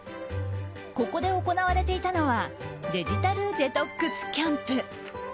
ここで行われていたのはデジタルデトックスキャンプ。